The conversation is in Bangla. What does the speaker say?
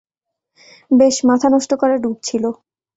বেশ, মাথানষ্ট করা ডুব ছিল।